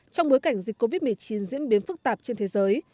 trong bối cảnh dịch covid một mươi chín diễn biến phức tạp trên thế giới